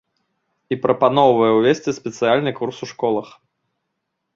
І прапаноўвае ўвесці спецыяльны курс у школах.